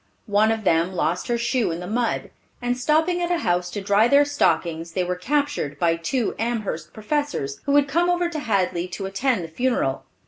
One of them lost her shoe in the mud, and stopping at a house to dry their stockings, they were captured by two Amherst professors, who had come over to Hadley to attend the funeral.